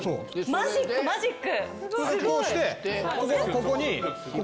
マジック、マジック。